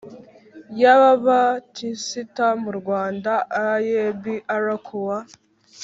Y ababatisita mu rwanda aebr kuwa